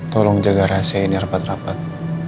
tolong jaga rahasia ini rapat rapat